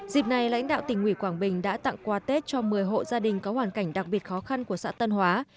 dịp này lãnh đạo tỉnh ủy quảng bình đã tặng quà tết cho một mươi hộ gia đình có hoàn cảnh đặc biệt khó khăn của xã tân hóa